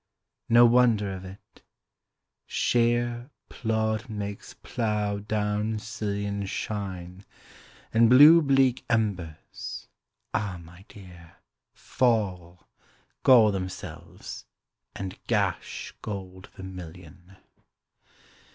No wonder of it: shéer plód makes plough down sillion Shine, and blue bleak embers, ah my dear, Fall, gall themselves, and gash gold vermillion.